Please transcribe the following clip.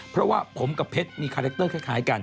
เพราะว่าผมกับเพชรมีคาแรคเตอร์คล้ายกัน